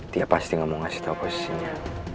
dia pasti gak mau ngasih tau posisinya